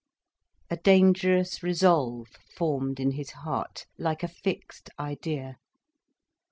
A dangerous resolve formed in his heart, like a fixed idea.